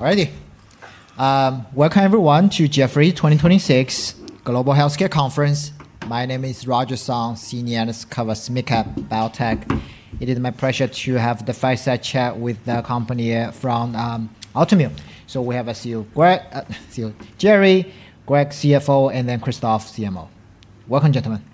All righty. Welcome, everyone, to Jefferies 2026 Global Healthcare Conference. My name is Roger Song, senior analyst covers med tech. It is my pleasure to have the fireside chat with the company from Altimmune. We have a CEO, Jerry, Greg, CFO, and then Christophe, CMO. Welcome, gentlemen.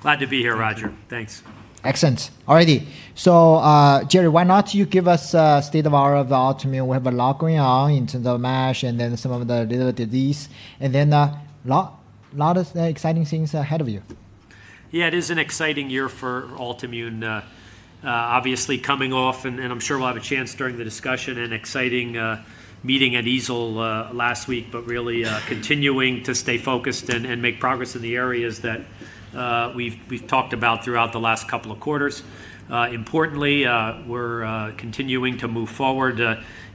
Glad to be here, Roger. Thanks. Excellent. All righty. Jerry, why not you give us a state of our Altimmune. We have a lot going on in terms of MASH and then some of the related disease. A lot of exciting things ahead of you. Yeah, it is an exciting year for Altimmune. Obviously coming off, and I'm sure we'll have a chance during the discussion, an exciting meeting at EASL last week. Really continuing to stay focused and make progress in the areas that we've talked about throughout the last couple of quarters. Importantly, we're continuing to move forward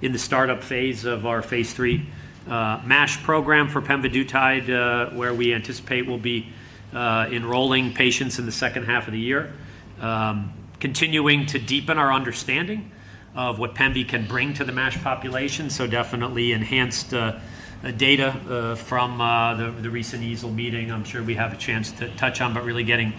in the startup phase of our phase III MASH program for pemvidutide, where we anticipate we'll be enrolling patients in the second half of the year. Continuing to deepen our understanding of what pemvi can bring to the MASH population. Definitely enhanced data from the recent EASL meeting. I'm sure we have a chance to touch on, but really getting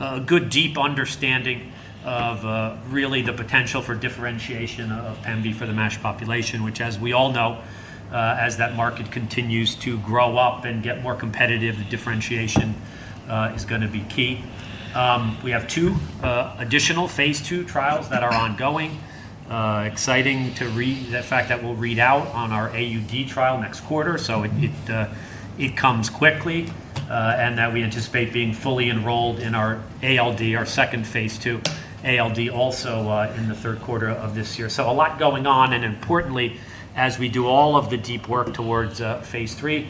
a good, deep understanding of really the potential for differentiation of pemvi for the MASH population, which as we all know, as that market continues to grow up and get more competitive, the differentiation is going to be key. We have two additional phase II trials that are ongoing. Exciting the fact that we'll read out on our AUD trial next quarter, so it comes quickly, that we anticipate being fully enrolled in our ALD, our second phase II ALD, also in the third quarter of this year. A lot going on, and importantly, as we do all of the deep work towards phase III,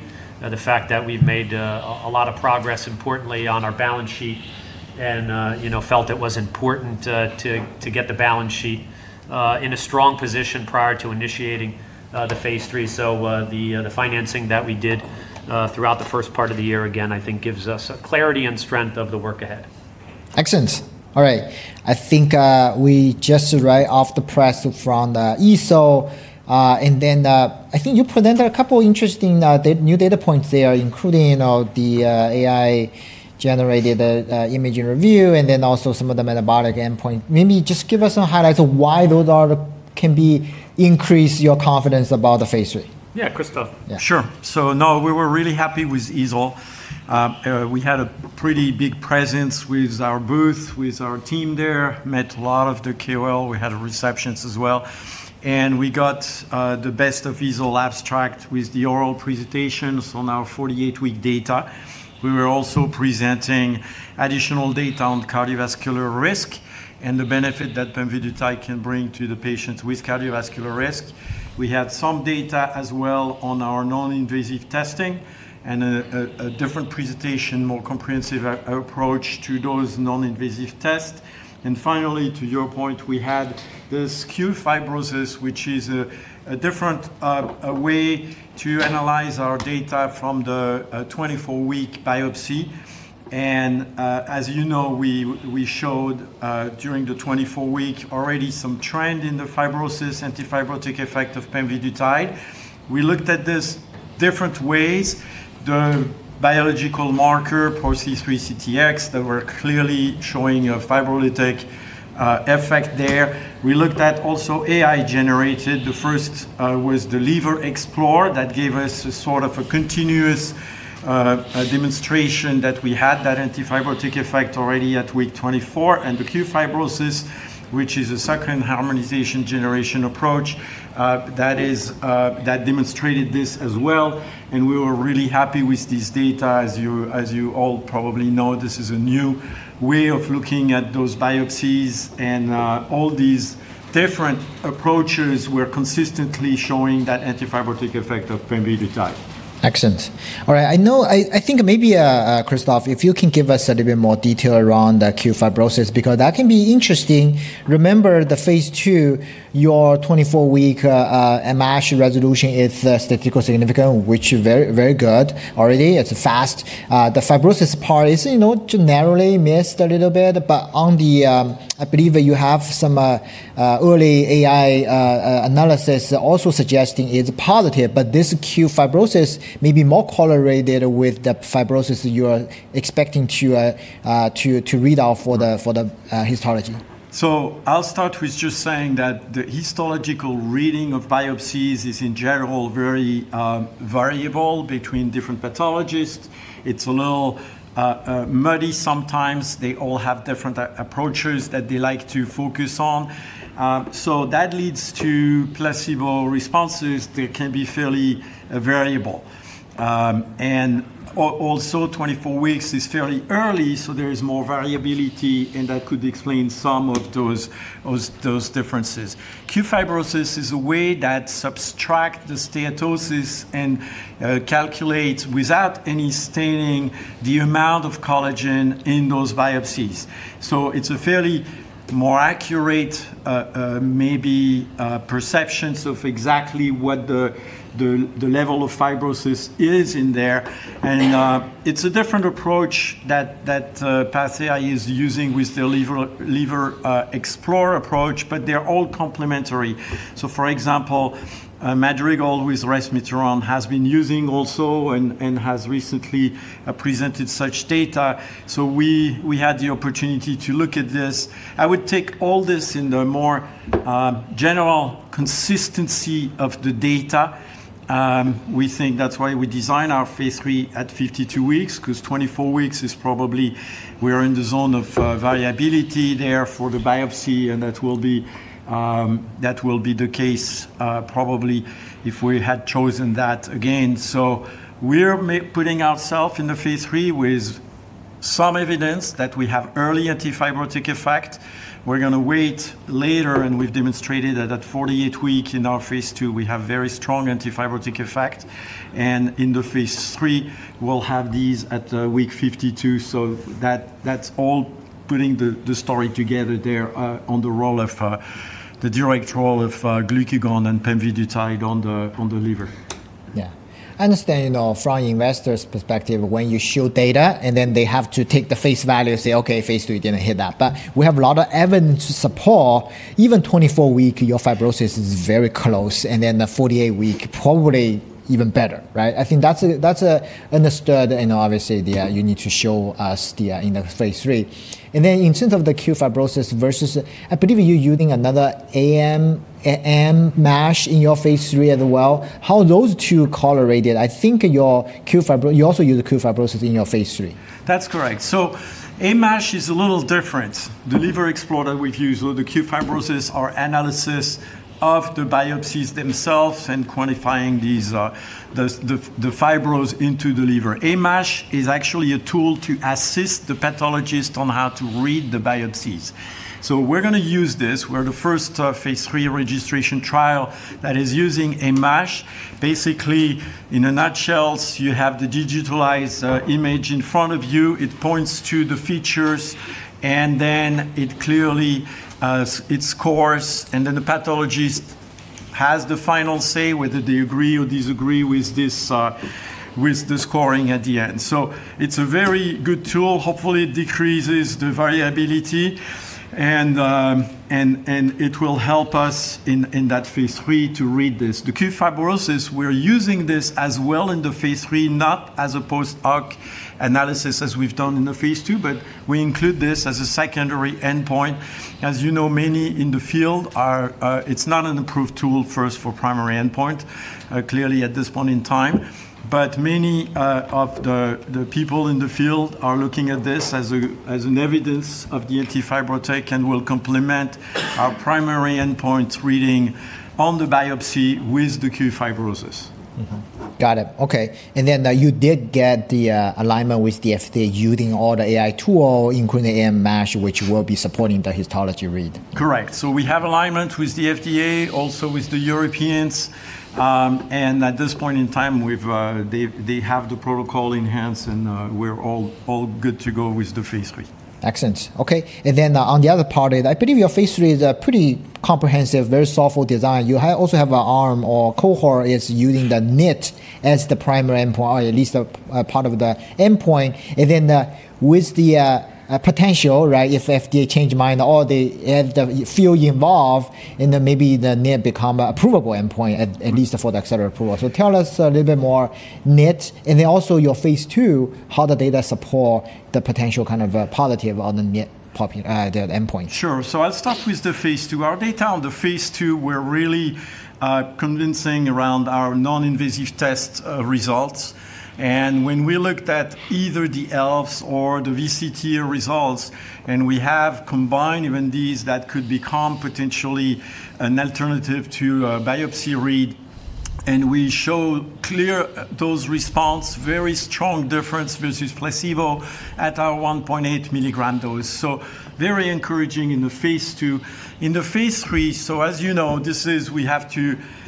the fact that we've made a lot of progress importantly on our balance sheet and felt it was important to get the balance sheet in a strong position prior to initiating the phase III. The financing that we did throughout the first part of the year, again, I think gives us clarity and strength of the work ahead. Excellent. All right. I think we just are right off the press from the EASL. I think you presented a couple interesting new data points there, including the AI-generated imaging review and then also some of the metabolic endpoint. Maybe just give us some highlights of why those can increase your confidence about the phase III. Yeah, Christophe. Sure. No, we were really happy with EASL. We had a pretty big presence with our booth, with our team there, met a lot of the KOL. We had receptions as well. We got the best of EASL abstract with the oral presentation on our 48-week data. We were also presenting additional data on cardiovascular risk and the benefit that pemvidutide can bring to the patients with cardiovascular risk. We had some data as well on our non-invasive testing and a different presentation, more comprehensive approach to those non-invasive tests. Finally, to your point, we had this qFibrosis, which is a different way to analyze our data from the 24-week biopsy. As you know, we showed during the 24 week already some trend in the fibrosis, anti-fibrotic effect of pemvidutide. We looked at this different ways. The biological marker, PRO-C3/CTX, that were clearly showing a fibrolytic effect there. We looked at also AI-generated. The first was the LiverExplore. That gave us a sort of a continuous demonstration that we had that anti-fibrotic effect already at week 24. The qFibrosis, which is a second harmonic generation approach that demonstrated this as well, and we were really happy with this data. As you all probably know, this is a new way of looking at those biopsies, and all these different approaches were consistently showing that anti-fibrotic effect of pemvidutide. Excellent. All right. I think maybe, Christophe, if you can give us a little bit more detail around that qFibrosis, because that can be interesting. Remember the phase II, your 24-week MASH resolution is statistically significant, which is very good already. It's fast. The fibrosis part is generally missed a little bit, I believe you have some early AI analysis also suggesting it's positive, but this qFibrosis may be more correlated with the fibrosis you're expecting to read out for the histology. I'll start with just saying that the histological reading of biopsies is in general very variable between different pathologists. It's a little muddy sometimes. They all have different approaches that they like to focus on. That leads to placebo responses that can be fairly variable. Also 24 weeks is fairly early, so there is more variability, and that could explain some of those differences. qFibrosis is a way that subtract the steatosis and calculates without any staining the amount of collagen in those biopsies. It's a fairly more accurate maybe perceptions of exactly what the level of fibrosis is in there. It's a different approach that PathAI is using with their LiverExplore approach, but they're all complementary. For example, Madrigal, who is resmetirom, has been using also and has recently presented such data. We had the opportunity to look at this. I would take all this in the more general consistency of the data. We think that's why we design our phase III at 52 weeks, because 24 weeks is probably, we are in the zone of variability there for the biopsy, and that will be the case probably if we had chosen that again. We're putting ourself in the phase III with some evidence that we have early anti-fibrotic effect. We're going to wait later, and we've demonstrated that at 48-week in our phase II, we have very strong anti-fibrotic effect. In the phase III, we'll have these at week 52. That's all putting the story together there on the direct role of glucagon and pemvidutide on the liver. Understanding from investor's perspective, when you show data then they have to take the face value and say, "Okay, phase III didn't hit that." We have a lot of evidence to support even 24-week, your fibrosis is very close, then the 48-week, probably even better. Right? I think that's understood and obviously, you need to show us in the phase III. In terms of the qFibrosis versus, I believe you're using another MASH in your phase III as well. How are those two correlated? I think you also use the qFibrosis in your phase III. That's correct. MASH is a little different. The LiverExplore that we've used or the qFibrosis are analysis of the biopsies themselves and quantifying the fibrosis into the liver. MASH is actually a tool to assist the pathologist on how to read the biopsies. We're going to use this. We're the first phase III registration trial that is using MASH. Basically, in a nutshell, you have the digitalized image in front of you. It points to the features, and then it clearly scores, and then the pathologist has the final say whether they agree or disagree with the scoring at the end. It's a very good tool. Hopefully, it decreases the variability, and it will help us in that phase III to read this. The qFibrosis, we're using this as well in the phase III, not as a post hoc analysis as we've done in the phase II, but we include this as a secondary endpoint. As you know, it's not an approved tool first for primary endpoint, clearly at this point in time. Many of the people in the field are looking at this as an evidence of the anti-fibrotic and will complement our primary endpoint reading on the biopsy with the qFibrosis. Got it. Okay. Then you did get the alignment with the FDA using all the AI tool, including MASH, which will be supporting the histology read. Correct. We have alignment with the FDA, also with the Europeans. At this point in time, they have the protocol enhanced, and we're all good to go with the phase III. Excellent. Okay. On the other part, I believe your phase III is a pretty comprehensive, very thoughtful design. You also have an arm or cohort is using the NIT as the primary endpoint, or at least a part of the endpoint. With the potential, if FDA change mind or the field evolve, and then maybe the NIT become approvable endpoint, at least for the accelerated approval. Tell us a little bit more NIT, and then also your phase II, how the data support the potential kind of positive on the NIT endpoint. Sure. I'll start with the phase II. Our data on the phase II were really convincing around our non-invasive test results. When we looked at either the ELF or the VCTE results, we have combined even these that could become potentially an alternative to a biopsy read, we show clear dose response, very strong difference versus placebo at our 1.8 mg dose. Very encouraging in the phase II. In the phase III, as you know,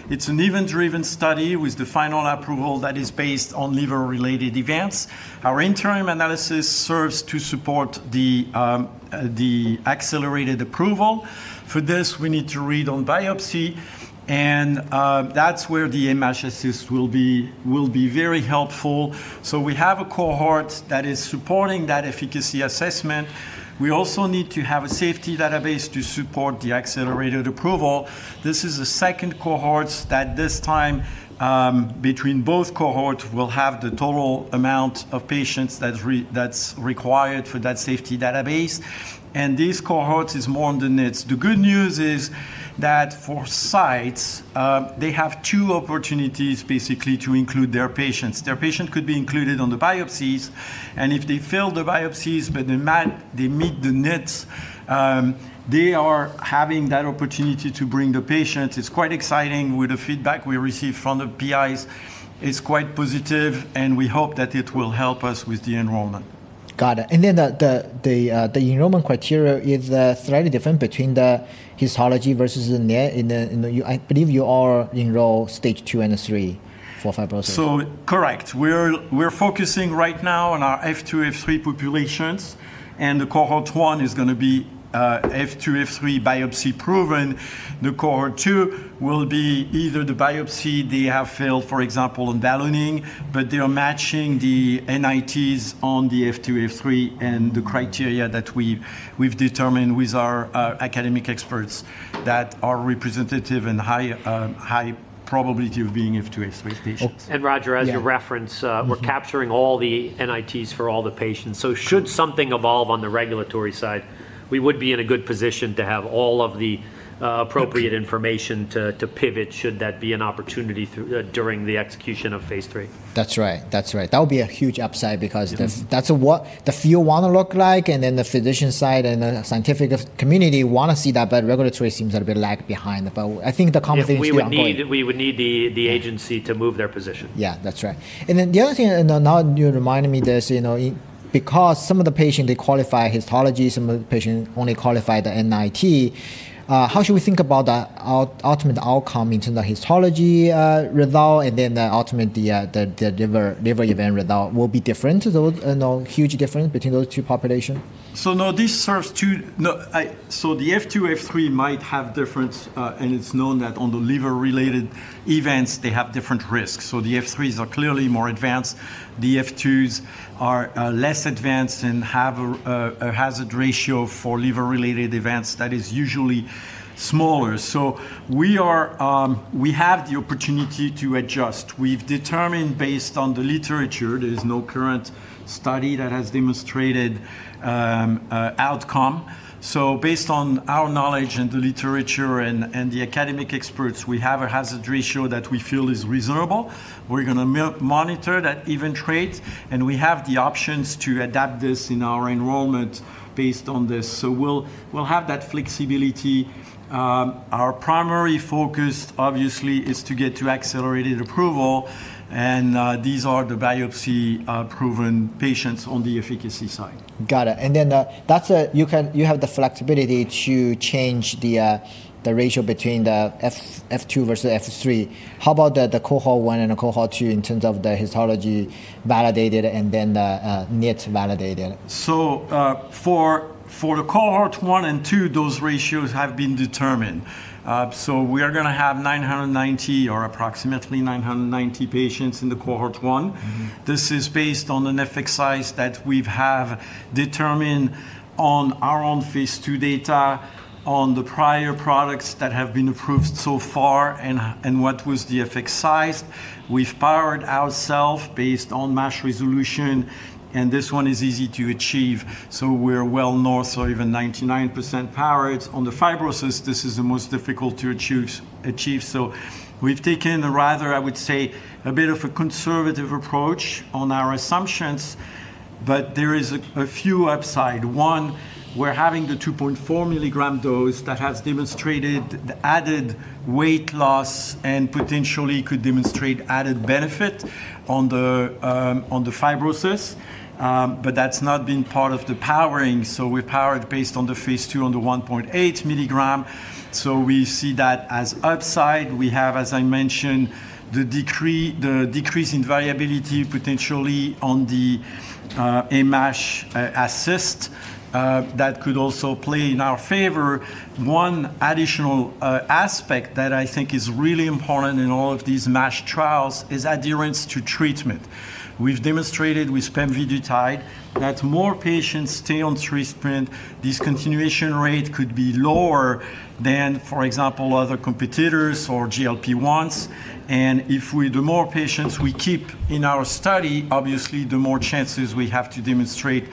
it's an event-driven study with the final approval that is based on liver-related events. Our interim analysis serves to support the accelerated approval. For this, we need to read on biopsy, and that's where the MASH assist will be very helpful. We have a cohort that is supporting that efficacy assessment. We also need to have a safety database to support the accelerated approval. This is the second cohort that this time between both cohorts will have the total amount of patients that's required for that safety database. This cohort is more on the NITs. The good news is that for sites, they have two opportunities, basically, to include their patients. Their patient could be included on the biopsies, and if they fail the biopsies, but they meet the NITs, they are having that opportunity to bring the patient. It's quite exciting. With the feedback we received from the PIs, it's quite positive, and we hope that it will help us with the enrollment. Got it. The enrollment criteria is slightly different between the histology versus the NIT. I believe you all enroll Stage 2 and 3. Correct. We're focusing right now on our F2, F3 populations. The Cohort 1 is going to be F2, F3 biopsy proven. The Cohort 2 will be either the biopsy, they have failed, for example, in ballooning, but they are matching the NITs on the F2, F3 and the criteria that we've determined with our academic experts that are representative and high probability of being F2, F3 patients. Roger, as you reference. Yeah. Mm-hmm. We're capturing all the NITs for all the patients. Should something evolve on the regulatory side, we would be in a good position to have all of the appropriate information to pivot should that be an opportunity during the execution of phase III. That's right. That would be a huge upside because that's what the field want to look like, and then the physician side and the scientific community want to see that, but regulatory seems a little bit lag behind. I think the conversation is ongoing. Yeah. We would need the agency to move their position. Yeah, that's right. The other thing, now you reminded me this, because some of the patients, they qualify histology, some of the patients only qualify the NIT. How should we think about the ultimate outcome in terms of histology result, the ultimate, the liver event result will be different to those, huge difference between those two populations? The F2, F3 might have difference, and it's known that on the liver-related events, they have different risks. The F3s are clearly more advanced. The F2s are less advanced and have a hazard ratio for liver-related events that is usually smaller. We have the opportunity to adjust. We've determined based on the literature, there is no current study that has demonstrated outcome. Based on our knowledge and the literature and the academic experts, we have a hazard ratio that we feel is reasonable. We're going to monitor that event rate, and we have the options to adapt this in our enrollment based on this. We'll have that flexibility. Our primary focus, obviously, is to get to accelerated approval, and these are the biopsy-proven patients on the efficacy side. Got it. You have the flexibility to change the ratio between the F2 versus F3. How about the Cohort 1 and the Cohort 2 in terms of the histology validated and then the NIT validated? For the Cohort 1 and 2, those ratios have been determined. We are going to have 990 or approximately 990 patients in the Cohort 1. This is based on an effect size that we've determined on our own phase II data on the prior products that have been approved so far and what was the effect size. We've powered ourself based on MASH resolution, this one is easy to achieve, we're well north or even 99% powered. On the fibrosis, this is the most difficult to achieve. We've taken a rather, I would say, a bit of a conservative approach on our assumptions, there is a few upside. One, we're having the 2.4 mg dose that has demonstrated the added weight loss and potentially could demonstrate added benefit on the fibrosis. That's not been part of the powering, we're powered based on the phase II on the 1.8 mg. We see that as upside. We have, as I mentioned, the decrease in variability potentially on the MASH assist. That could also play in our favor. One additional aspect that I think is really important in all of these MASH trials is adherence to treatment. We've demonstrated with pemvidutide that more patients stay on treatment. Discontinuation rate could be lower than, for example, other competitors or GLP-1s. If the more patients we keep in our study, obviously, the more chances we have to demonstrate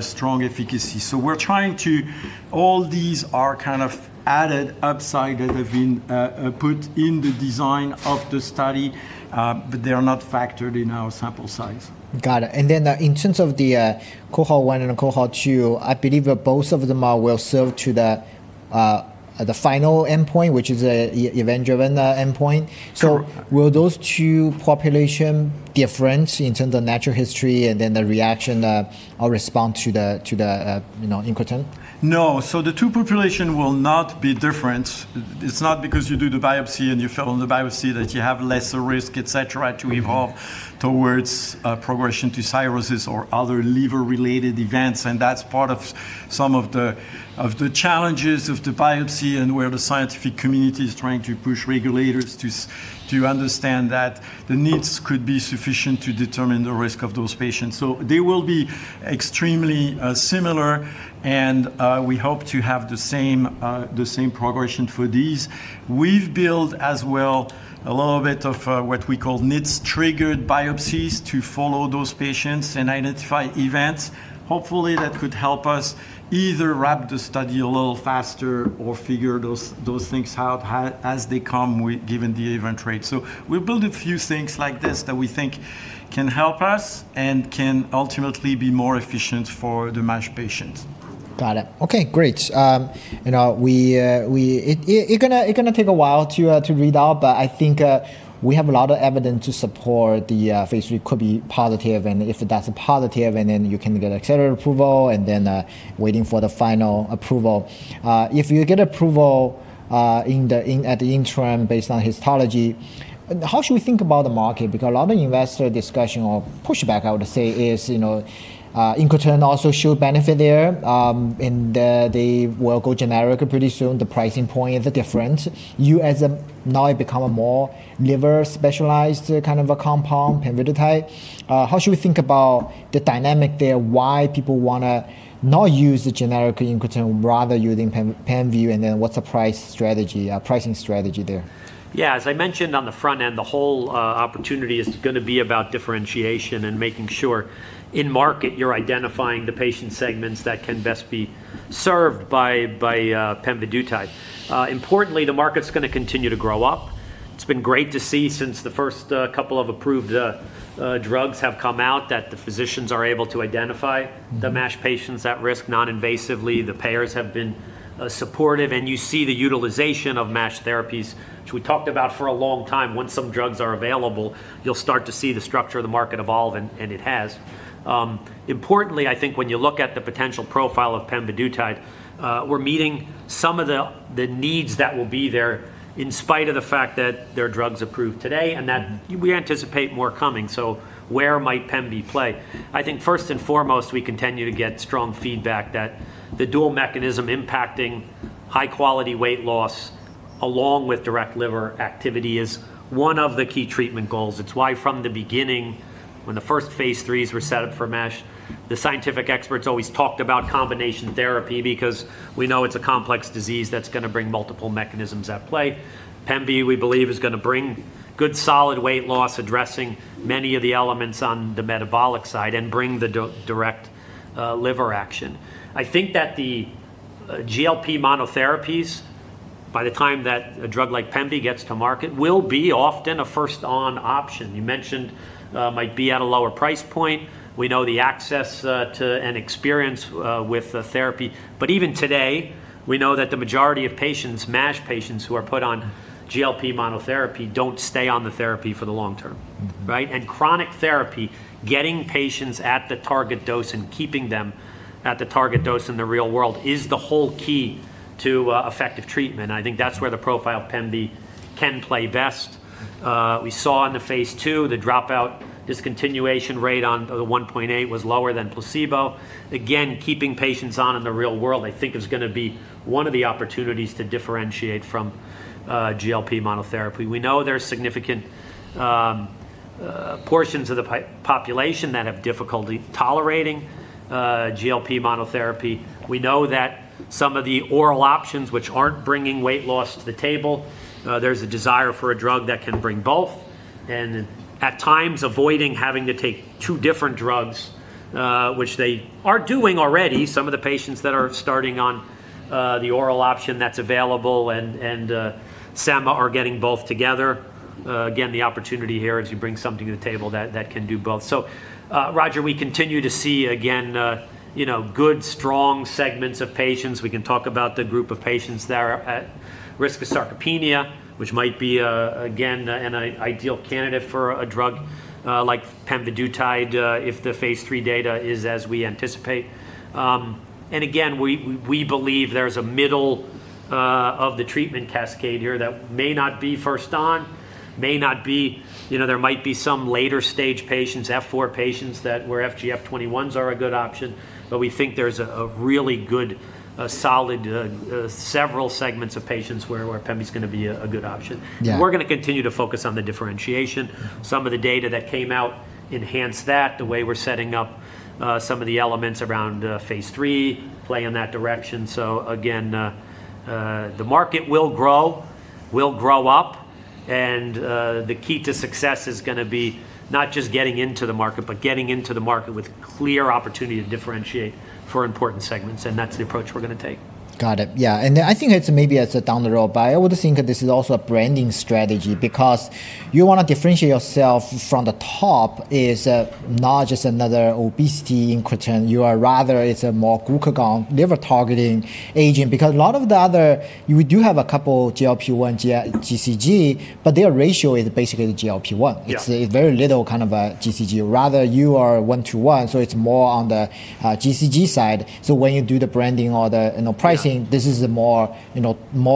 strong efficacy. All these are kind of added upside that have been put in the design of the study, but they are not factored in our sample size. Got it. In terms of the Cohort 1 and Cohort 2, I believe both of them are well-served to the final endpoint, which is an event-driven endpoint. Sure. Will those two population difference in terms of natural history and then the reaction or response to the incretin? No. The two population will not be different. It's not because you do the biopsy and you fail on the biopsy that you have lesser risk, et cetera, to evolve towards progression to cirrhosis or other liver-related events. That's part of some of the challenges of the biopsy and where the scientific community is trying to push regulators to understand that the NITs could be sufficient to determine the risk of those patients. They will be extremely similar, and we hope to have the same progression for these. We've built as well a little bit of what we call NITs-triggered biopsies to follow those patients and identify events. Hopefully, that could help us either wrap the study a little faster or figure those things out as they come with given the event rate. We build a few things like this that we think can help us and can ultimately be more efficient for the MASH patients. Got it. Okay, great. It going to take a while to read out, but I think we have a lot of evidence to support the phase III could be positive. If that's positive, and then you can get accelerated approval, and then waiting for the final approval. If you get approval at the interim based on histology, how should we think about the market? A lot of investor discussion or pushback, I would say, is incretin also show benefit there, and they will go generic pretty soon. The pricing point is different. You as a, now it become a more liver-specialized kind of a compound, pemvidutide. How should we think about the dynamic there, why people want to not use the generic incretin, rather using pemvi, what's the pricing strategy there? Yeah. As I mentioned on the front end, the whole opportunity is going to be about differentiation and making sure in market you're identifying the patient segments that can best be served by pemvidutide. Importantly, the market's going to continue to grow up. It's been great to see since the first couple of approved drugs have come out that the physicians are able to identify the MASH patients at risk non-invasively. The payers have been supportive. You see the utilization of MASH therapies, which we talked about for a long time. Once some drugs are available, you'll start to see the structure of the market evolve, and it has. Importantly, I think when you look at the potential profile of pemvidutide, we're meeting some of the needs that will be there in spite of the fact that there are drugs approved today and that we anticipate more coming. Where might pemvi play? I think first and foremost, we continue to get strong feedback that the dual mechanism impacting high-quality weight loss along with direct liver activity is one of the key treatment goals. It's why from the beginning when the first phase III were set up for MASH, the scientific experts always talked about combination therapy because we know it's a complex disease that's going to bring multiple mechanisms at play. Pemvi, we believe, is going to bring good solid weight loss addressing many of the elements on the metabolic side and bring the direct liver action. I think that the GLP monotherapies, by the time that a drug like pemvi gets to market, will be often a first-line option. You mentioned might be at a lower price point. We know the access to and experience with the therapy. Even today, we know that the majority of patients, MASH patients who are put on GLP monotherapy, don't stay on the therapy for the long term, right? Chronic therapy, getting patients at the target dose and keeping them at the target dose in the real world is the whole key to effective treatment. I think that's where the profile pemvi can play best. We saw in the phase II the dropout discontinuation rate on the 1.8 was lower than placebo. Again, keeping patients on in the real world I think is going to be one of the opportunities to differentiate from GLP monotherapy. We know there are significant portions of the population that have difficulty tolerating GLP monotherapy. We know that some of the oral options which aren't bringing weight loss to the table, there's a desire for a drug that can bring both, and at times avoiding having to take two different drugs, which they are doing already. Some of the patients that are starting on the oral option that's available and, sema are getting both together. The opportunity here is you bring something to the table that can do both. Roger, we continue to see, again, good strong segments of patients. We can talk about the group of patients that are at risk of sarcopenia, which might be, again, an ideal candidate for a drug like pemvidutide, if the phase III data is as we anticipate. Again, we believe there's a middle of the treatment cascade here that may not be first on. There might be some later-stage patients, F4 patients that where FGF21 are a good option. We think there's a really good solid several segments of patients where pemvi's going to be a good option. Yeah. We're going to continue to focus on the differentiation. Some of the data that came out enhanced that. The way we're setting up some of the elements around phase III play in that direction. Again, the market will grow up, and the key to success is going to be not just getting into the market, but getting into the market with clear opportunity to differentiate for important segments, and that's the approach we're going to take. Got it. Yeah. I think it's maybe as a down the road, but I would think that this is also a branding strategy because you want to differentiate yourself from the top is not just another obesity incretin. You are rather it's a more glucagon liver targeting agent because a lot of the other, you do have a couple GLP-1 GCG, but their ratio is basically the GLP-1. Yeah. It's a very little kind of a GCG. Rather, you are one to one, so it's more on the GCG side. When you do the branding or the pricing. Yeah. This is a more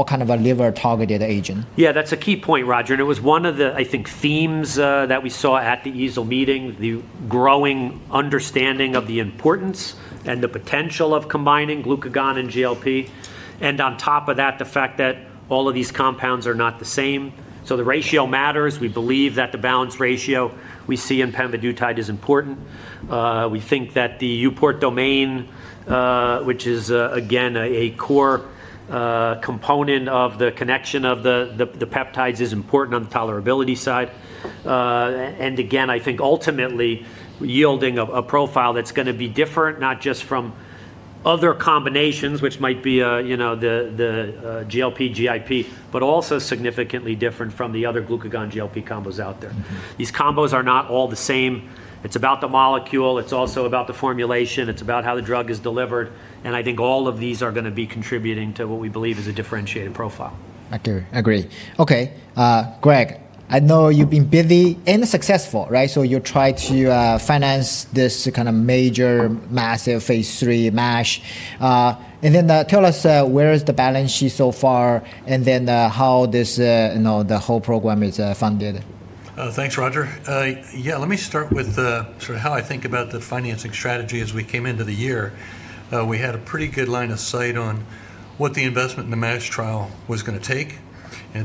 kind of a liver-targeted agent. That's a key point, Roger. It was one of the, I think, themes that we saw at the EASL meeting, the growing understanding of the importance and the potential of combining glucagon and GLP. On top of that, the fact that all of these compounds are not the same. The ratio matters. We believe that the balance ratio we see in pemvidutide is important. We think that the EuPort domain, which is again, a core component of the connection of the peptides is important on the tolerability side. Again, I think ultimately yielding a profile that's going to be different not just from other combinations, which might be the GLP-GIP, but also significantly different from the other glucagon GLP combos out there. These combos are not all the same. It's about the molecule. It's also about the formulation. It's about how the drug is delivered. I think all of these are going to be contributing to what we believe is a differentiated profile. I agree. Okay. Greg, I know you've been busy and successful, right? You try to finance this kind of major massive phase III MASH. Tell us where is the balance sheet so far, and then how this whole program is funded? Thanks, Roger. Yeah, let me start with sort of how I think about the financing strategy as we came into the year. We had a pretty good line of sight on what the investment in the MASH trial was going to take.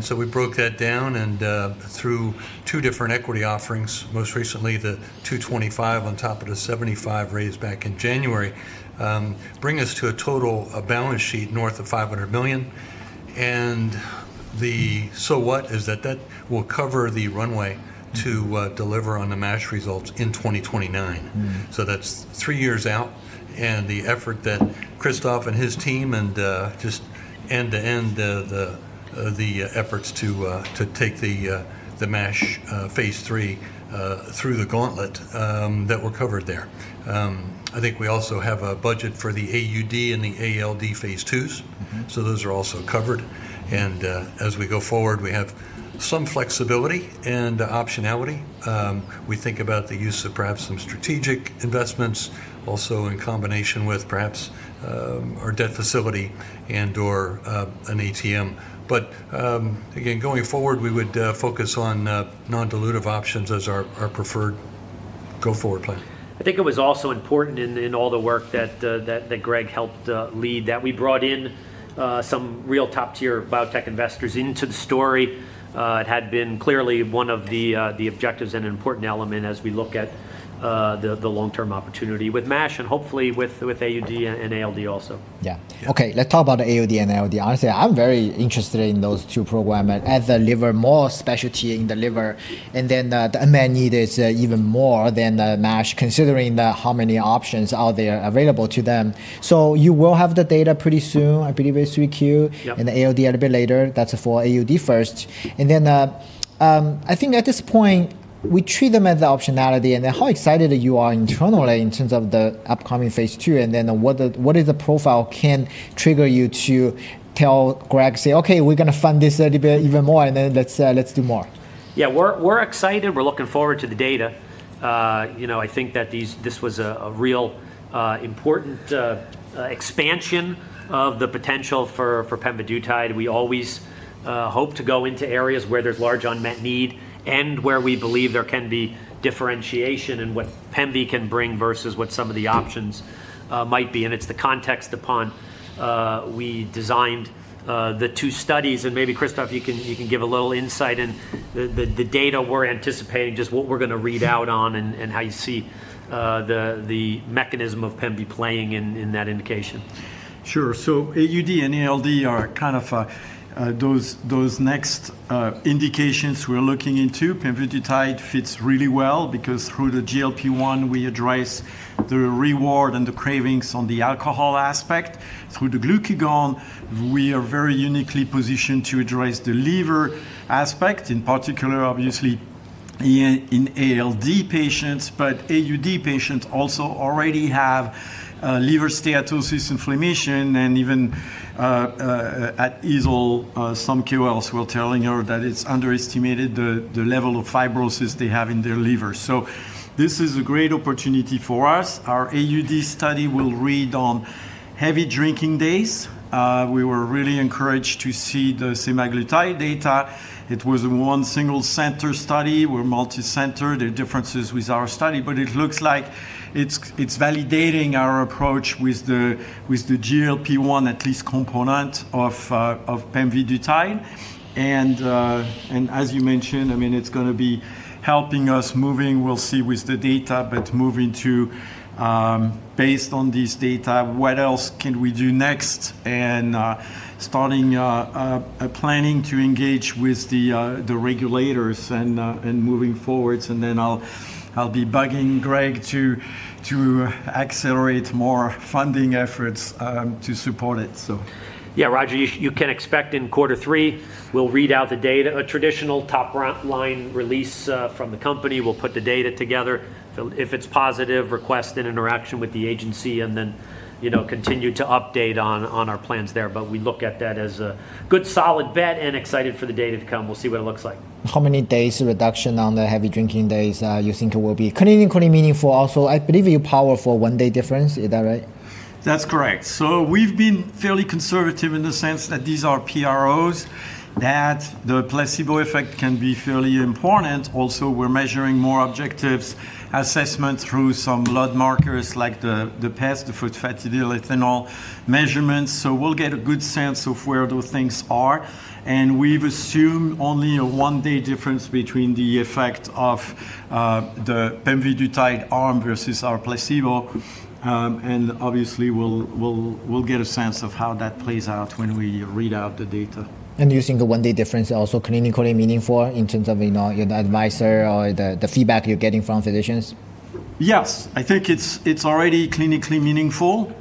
We broke that down and through two different equity offerings, most recently the $225 million on top of the $75 million raised back in January, bring us to a total balance sheet north of $500 million. The so what is that that will cover the runway to deliver on the MASH results in 2029. That's three years out, and the effort that Christophe and his team just end to end the efforts to take the MASH phase III through the gauntlet that were covered there. I think we also have a budget for the AUD and the ALD phase IIs. Those are also covered. As we go forward, we have some flexibility and optionality. We think about the use of perhaps some strategic investments also in combination with perhaps our debt facility and/or an ATM. Again, going forward, we would focus on non-dilutive options as our preferred go-forward plan. I think it was also important in all the work that Greg helped lead, that we brought in some real top-tier biotech investors into the story. It had been clearly one of the objectives and an important element as we look at the long-term opportunity with MASH and hopefully with AUD and ALD also. Yeah. Okay. Let's talk about the AUD and ALD. Honestly, I'm very interested in those two program as the liver, more specialty in the liver, and then the unmet need is even more than the MASH, considering how many options are there available to them. You will have the data pretty soon, I believe it's 3Q. Yep. The ALD a little bit later. That's for AUD first. Then, I think at this point, we treat them as the optionality and how excited are you internally in terms of the upcoming phase II and then what is the profile can trigger you to tell Greg, say, "Okay, we're going to fund this a little bit even more, and then let's do more?" Yeah. We're excited. We're looking forward to the data. I think that this was a real important expansion of the potential for pemvidutide. We always hope to go into areas where there's large unmet need and where we believe there can be differentiation in what pemvi can bring versus what some of the options might be, and it's the context upon we designed the two studies. Maybe Christophe, you can give a little insight in the data we're anticipating, just what we're going to read out on and how you see the mechanism of pemvi playing in that indication. Sure. AUD and ALD are those next indications we're looking into. Pemvidutide fits really well because through the GLP-1, we address the reward and the cravings on the alcohol aspect. Through the glucagon, we are very uniquely positioned to address the liver aspect, in particular, obviously, in ALD patients. AUD patients also already have liver steatosis inflammation and even at EASL, some KOLs were telling her that it's underestimated the level of fibrosis they have in their liver. This is a great opportunity for us. Our AUD study will read on heavy drinking days. We were really encouraged to see the semaglutide data. It was one single center study. We're multi-center. There are differences with our study. It looks like it's validating our approach with the GLP-1 at least component of pemvidutide. As you mentioned, it's going to be helping us moving, we'll see with the data, but moving to based on this data, what else can we do next? Starting planning to engage with the regulators and moving forwards, I'll be bugging Greg to accelerate more funding efforts to support it. Yeah, Roger, you can expect in quarter three, we'll read out the data. A traditional top line release from the company. We'll put the data together. If it's positive, request an interaction with the agency, and then continue to update on our plans there. We look at that as a good solid bet and excited for the data to come. We'll see what it looks like. How many days reduction on the heavy drinking days you think it will be clinically meaningful also? I believe a powerful one-day difference, is that right? That's correct. We've been fairly conservative in the sense that these are PROs, that the placebo effect can be fairly important. We're measuring more objectives assessment through some blood markers like the PEth, the phosphatidylethanol measurements. We'll get a good sense of where those things are. We've assumed only a one-day difference between the effect of the pemvidutide arm versus our placebo. Obviously, we'll get a sense of how that plays out when we read out the data. You think the one-day difference also clinically meaningful in terms of the advisor or the feedback you're getting from physicians? Yes. I think it's already clinically meaningful.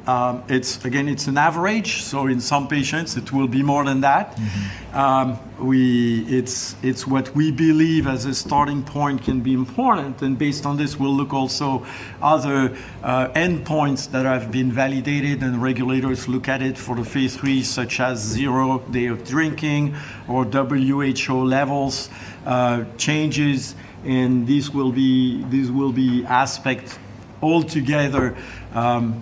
It's an average, so in some patients it will be more than that. It's what we believe as a starting point can be important. Based on this, we'll look also other endpoints that have been validated and regulators look at it for the phase III, such as zero day of drinking or WHO levels changes. These will be aspects all together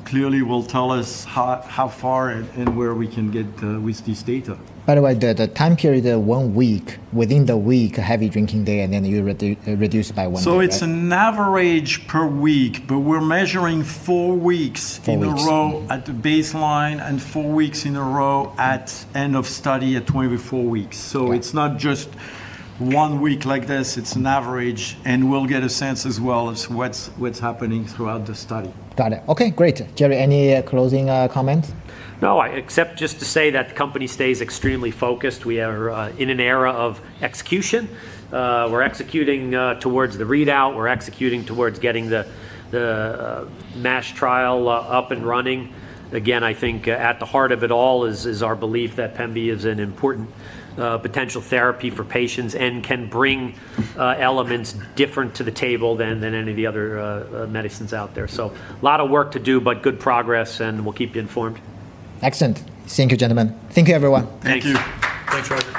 clearly will tell us how far and where we can get with this data. By the way, the time period, the one week, within the week, a heavy drinking day, and then you reduce it by one day, right? It's an average per week, but we're measuring four weeks in a row. Four weeks. At the baseline and four weeks in a row at end of study at 24 weeks. Got it. It's not just one week like this, it's an average, and we'll get a sense as well as what's happening throughout the study. Got it. Okay, great. Jerry, any closing comments? No. Except just to say that the company stays extremely focused. We are in an era of execution. We're executing towards the readout. We're executing towards getting the MASH trial up and running. Again, I think at the heart of it all is our belief that pemvi is an important potential therapy for patients and can bring elements different to the table than any of the other medicines out there. A lot of work to do, but good progress and we'll keep you informed. Excellent. Thank you, gentlemen. Thank you, everyone. Thank you. Thank you. Thanks, Roger.